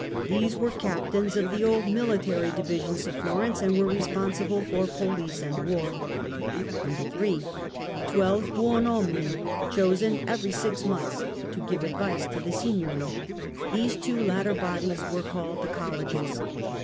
These were captains of the old military divisions of Florence, and were responsible for police and war. 3. Twelve Buonomini, chosen every six months, to give advice to the Signory. These two latter bodies were called the Colleges.